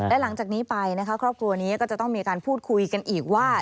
และหลังจากนี้ไปนะคะครอบครัวนี้ก็จะต้องมีการพูดคุยกันอีกว่า